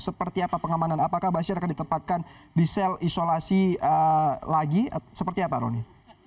seperti apa pengamanan apakah bashir akan ditempatkan di sel isolasi lagi seperti apa roni